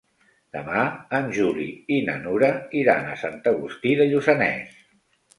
Demà en Juli i na Nura iran a Sant Agustí de Lluçanès.